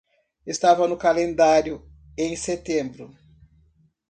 Estava no calendário em setembro.